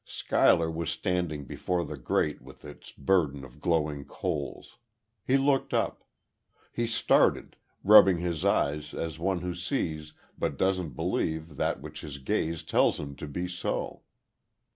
Schuyler was standing before the grate with its burden of glowing coals. He looked up. He started, rubbing his eyes as one who sees but doesn't believe that which his gaze tells him to be so.